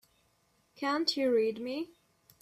Can't you read me?